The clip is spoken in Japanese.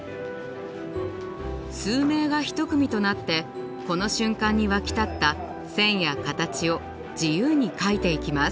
数名が一組となってこの瞬間に湧き立った線や形を自由に描いていきます。